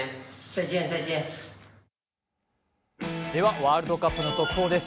ワールドカップの速報です。